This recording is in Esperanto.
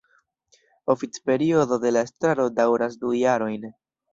Oficperiodo de la estraro daŭras du jarojn.